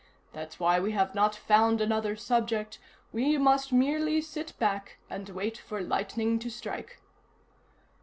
That's why we have not found another subject; we must merely sit back and wait for lightning to strike."